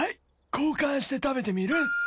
交換して食べてみる？